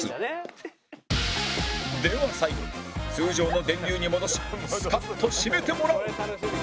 では最後通常の電流に戻しスカッと締めてもらおう！